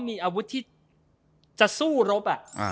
มีอาวุธที่จะสู้รบ